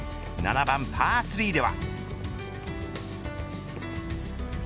７番パー３では。